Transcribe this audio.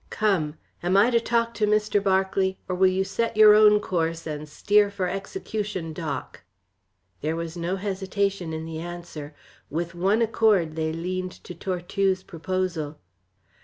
Come! Am I to talk to Mr. Berkeley, or will you set your own course, and steer for execution dock?" There was no hesitation in the answer. With one accord they leaned to Tortue's proposal.